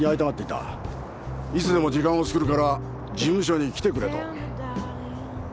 「いつでも時間を作るから事務所に来てくれ」と。